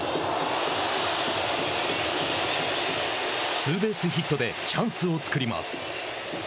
ツーベースヒットでチャンスを作ります。